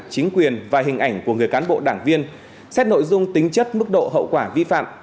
chính quyền và hình ảnh của người cán bộ đảng viên xét nội dung tính chất mức độ hậu quả vi phạm